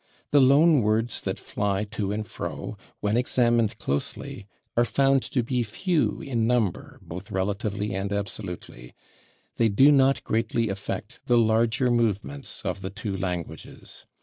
The loan words that fly to and fro, when examined closely, are found to be few in number both relatively and absolutely: they do not greatly affect the larger movements of the two languages.